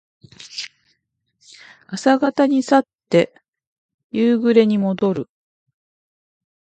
朝方に去って夕暮れにもどる。